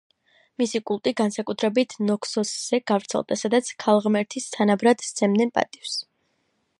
მისი კულტი განსაკუთრებით ნაქსოსზე გავრცელდა, სადაც ქალღმერთის თანაბრად სცემდნენ თაყვანს.